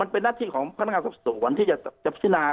เป็นหน้าติกของพวกพนักงานส่งสวนที่จะพิจชาณา